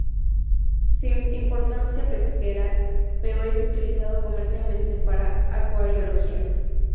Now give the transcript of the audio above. Sim importancia pesquera, pero es utilizado comercialmente para acuariología.